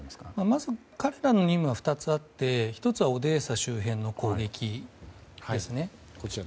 まず確たる任務は２つあって１つはオデーサ周辺の攻撃です。